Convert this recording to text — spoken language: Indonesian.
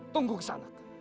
tunggu kesan aku